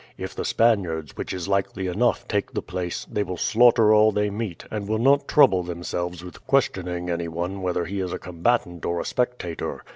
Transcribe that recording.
"If the Spaniards, which is likely enough, take the place, they will slaughter all they meet, and will not trouble themselves with questioning anyone whether he is a combatant or a spectator.